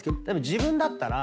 自分だったら。